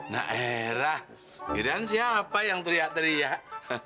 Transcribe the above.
nah era kira kira siapa yang teriak teriak